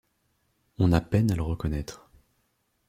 On a peine à la reconnaître.